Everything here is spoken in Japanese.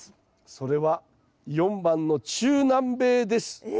それは４番の中南米です。え！